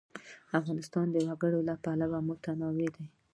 افغانستان د وګړي له پلوه متنوع دی.